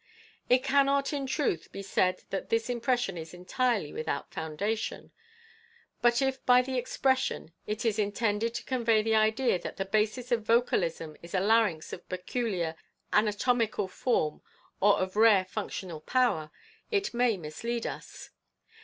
It cannot in truth be said that this impression is entirely without foundation; but if by the expression it is intended to convey the idea that the basis of vocalism is a larynx of peculiar anatomical form or of rare functional power, it may mislead us.